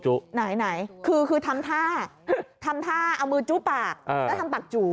ไหนคือทำท่าเอามือจู๊ปากแล้วทำปากจู๊